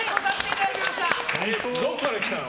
どこから来たの？